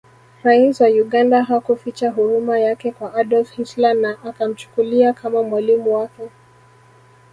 Rais wa Uganda hakuficha huruma yake kwa Adolf Hitler na akamchukulia kama mwalimu wake